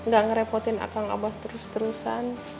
gak ngerepotin akan abah terus terusan